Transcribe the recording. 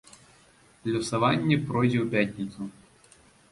Лёсаванне пройдзе ў пятніцу.